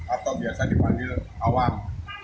atau biasa dipanggil awang